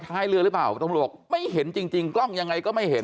ท้ายเรือรึ่าป๊าวต้องบอกไม่เห็นจริงกล้องยังไงก็ไม่